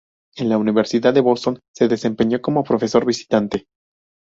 En la Universidad de Boston se desempeñó como profesor visitante.